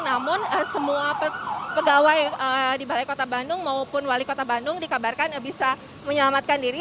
namun semua pegawai di balai kota bandung maupun wali kota bandung dikabarkan bisa menyelamatkan diri